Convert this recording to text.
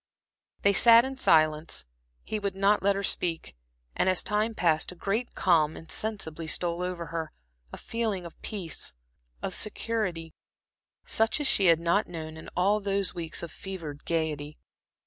They sat in silence; he would not let her speak, and as time passed, a great calm insensibly stole over her, a feeling of peace, of security, such as she had not known in all those weeks of fevered gaiety.